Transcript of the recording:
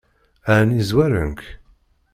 Ɛni zwaren-k?